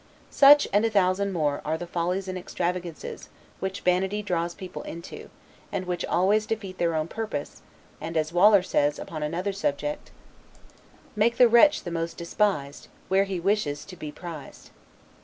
Such, and a thousand more, are the follies and extravagances, which vanity draws people into, and which always defeat their own purpose; and as Waller says, upon another subject, "Make the wretch the most despised, Where most he wishes to be prized."